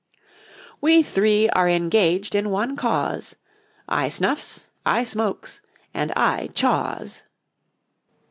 'We three are engaged in one cause, I snuffs, I smokes, and I chaws.'